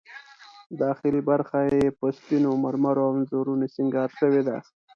داخلي برخه یې په سپینو مرمرو او انځورونو سینګار شوې ده.